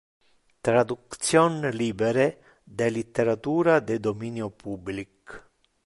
Traduction libere de litteratura de dominio public.